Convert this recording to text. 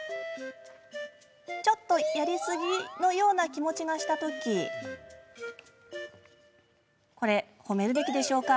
ちょっとやりすぎのような気持ちがした時これ褒めるべきなんでしょうか？